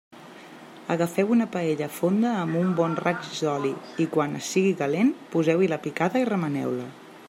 Agafeu una paella fonda amb un bon raig d'oli i, quan sigui calent, poseu-hi la picada i remeneu-la.